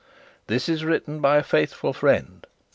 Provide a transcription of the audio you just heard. This is written by a faithful friend.